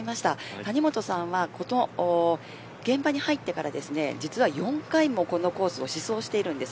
谷本さんは現場に入ってから実は４回もこのコースを試走しているんです。